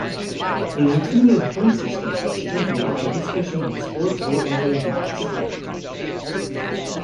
There is a cumulative points system, strengthened by participation in sport or other events.